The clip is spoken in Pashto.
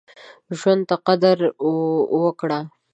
ژوند ته قدر وکړه.